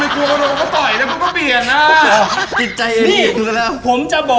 นายโกรธไวเปียกมั้ย